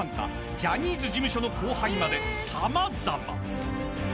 ジャニーズ事務所の後輩まで様々］